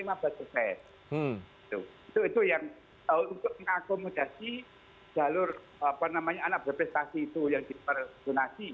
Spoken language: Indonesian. itu yang untuk mengakomodasi jalur apa namanya anak berprestasi itu yang dipersonasi